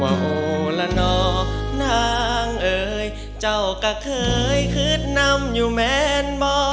ว่าโอละนอกนางเอ่ยเจ้ากะเคยขึ้นนำอยู่แม่นบ่อ